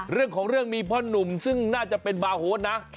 เรื่องของเรื่องมีพ่อหนุ่มซึ่งน่าจะเป็นบาร์โฮสนะ